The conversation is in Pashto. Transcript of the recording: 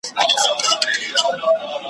هره ورځ له قهره نه وو پړسېدلی `